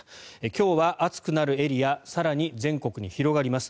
今日は暑くなるエリア更に全国に広がります。